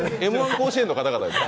甲子園の方々ですか？